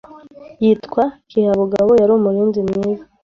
Yitwa Kihabugabo yari umurinzi mwiza